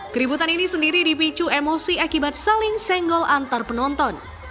keributan ini sendiri dipicu emosi akibat saling senggol antar penonton